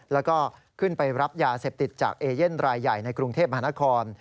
แล้วก็ขึ้นไปรับยาเสพติดจากเอเย่นรายใหญ่ในกรุงเทพมหานคร